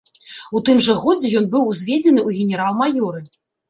У тым жа годзе ён быў узведзены ў генерал-маёры.